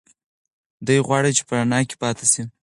دی غواړي چې په رڼا کې پاتې شي.